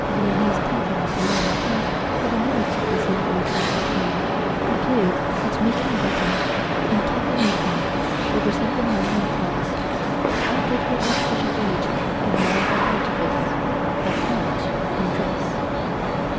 Viennese temperament alone accounts for the moods of this lovely tragic queen, who played at making butter, in a cap and apron, over simple muslin frocks, but outdid her artificial age in love of artifice (not Art) in dress.